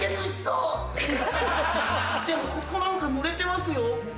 でもここ何か濡れてますよ？